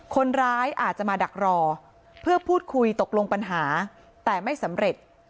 คนร้ายอาจจะมาดักรอเพื่อพูดคุยตกลงปัญหาแต่ไม่สำเร็จ